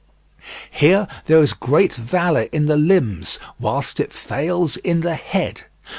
Here there is great valour in the limbs whilst it fails in the head.